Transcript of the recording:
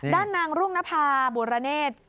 ด้านนางรุ่งนภาบุรเนศ